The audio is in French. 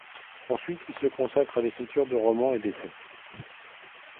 Ensuite, il se consacre à l'écriture de romans et d'essais.